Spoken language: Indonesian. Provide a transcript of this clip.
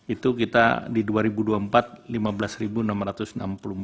itu kita di tahun dua ribu dua puluh empat